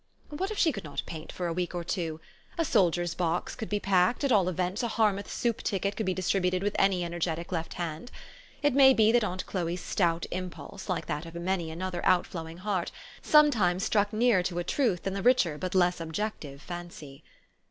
What if she could not paint for a week or two ? A soldier's box could be packed, at all events a Har mouth soup ticket could be distributed with any energetic left hand. It may be that aunt Chloe's stout impulse, like that of many another outflowing heart, sometimes struck nearer to a truth than the richer but less objective fancy.